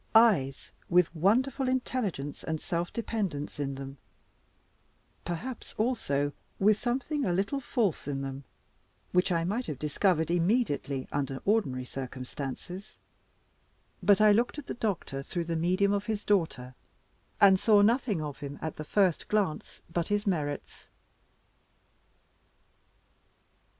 Eyes with wonderful intelligence and self dependence in them; perhaps, also, with something a little false in them, which I might have discovered immediately under ordinary circumstances: but I looked at the doctor through the medium of his daughter, and saw nothing of him at the first glance but his merits.